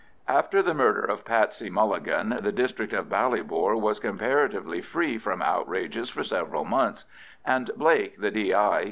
After the murder of Patsey Mulligan the district of Ballybor was comparatively free from outrages for several months, and Blake, the D.I.